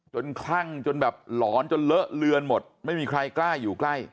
คลั่งจนแบบหลอนจนเลอะเลือนหมดไม่มีใครกล้าอยู่ใกล้